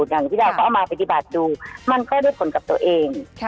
อย่างที่เราก็เอามาปฏิบัติดูมันก็ด้วยผลกับตัวเอง